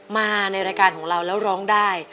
มาในรายการของเราแล้วร้องได้